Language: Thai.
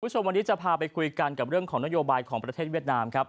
คุณผู้ชมวันนี้จะพาไปคุยกันกับเรื่องของนโยบายของประเทศเวียดนามครับ